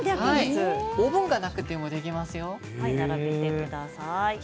オーブンがなくてもできますよ。